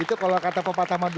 itu kalau kata bapak pahamadul ya